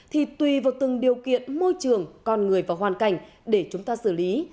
thì tùy vào từng điều kiện môi trường con người và hoàn cảnh để chúng ta xử lý